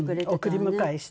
送り迎えして。